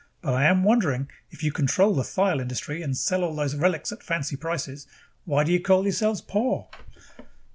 But I am wondering, if you control the thyle industry and sell all those relics at fancy prices, why do you call yourselves poor?"